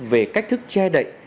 về cách thức che đậy